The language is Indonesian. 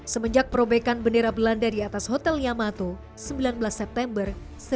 semenjak perobekan bendera belanda di atas hotel yamato sembilan belas september seribu sembilan ratus empat puluh